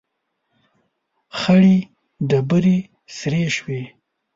، خړې ډبرې سرې شوې.